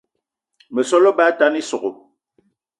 Meso á lebá atane ísogò